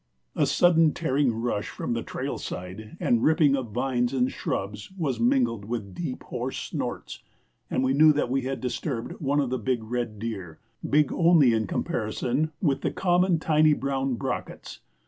A sudden tearing rush from the trail side, and ripping of vines and shrubs, was mingled with deep, hoarse snorts, and we knew that we had disturbed one of the big red deer big only in comparison with the common tiny brown brockets.